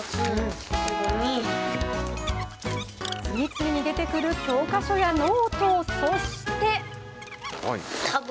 次々に出てくる教科書やノート、そして。